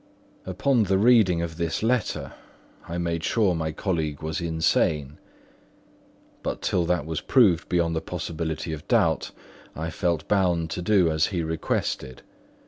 Upon the reading of this letter, I made sure my colleague was insane; but till that was proved beyond the possibility of doubt, I felt bound to do as he requested.